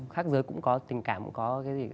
khác giới cũng có tình cảm cũng có cái gì